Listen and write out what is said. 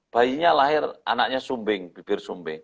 bayinya lahir anaknya sumbing